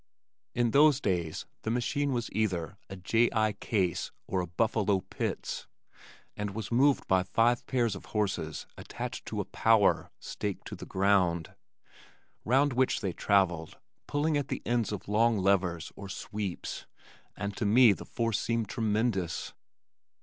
In those days the machine was either a "J. I. Case" or a "Buffalo Pitts," and was moved by five pairs of horses attached to a "power" staked to the ground, round which they travelled pulling at the ends of long levers or sweeps, and to me the force seemed tremendous.